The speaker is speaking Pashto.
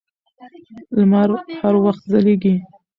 لمر هر وخت ځلېږي.